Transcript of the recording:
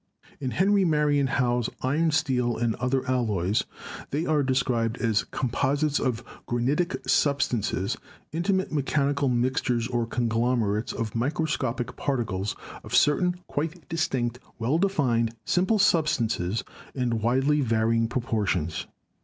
In Henry Marion Howe's Iron, Steel and Other Alloys they are described as "composite or granitic substances, intimate mechanical mixtures or conglomerates of micro scopic particles of certain quite distinct, well defined sim ple substances in widely varying proportions."